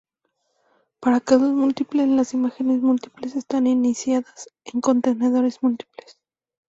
Para casos múltiples, las imágenes múltiples están iniciadas en contenedores múltiples.